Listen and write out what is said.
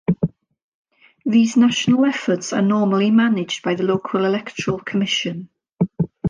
These national efforts are normally managed by the local electoral commission.